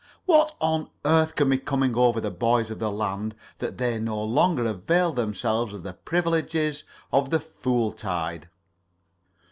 What on earth can be coming over the boys of the land that they no longer avail themselves of the privileges of the fool tide?"